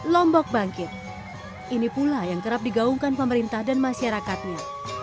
lombok bangkit ini pula yang kerap digaungkan pemerintah dan masyarakatnya